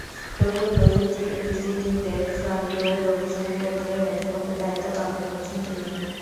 Tokyo প্রযুক্তি ইনস্টিটিউটের frontier গবেষণা কেন্দ্রের অধ্যাপকের দায়িত্ব পালন করছেন তিনি।